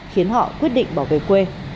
khiến họ quyết định bỏ về quê